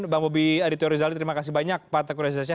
mbak mobi aditya rizali terima kasih banyak pak tegur rizasyeh